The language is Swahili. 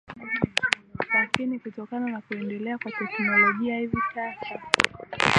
lakini kutokana na kuendelea kwa teknolojia hivi sasa